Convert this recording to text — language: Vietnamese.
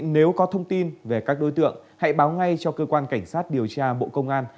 nếu có thông tin về các đối tượng hãy báo ngay cho cơ quan cảnh sát điều tra bộ công an